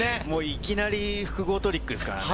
いきなり複合トリックですからね。